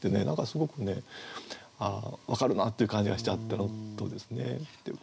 すごくね分かるなっていう感じがしちゃったのとですね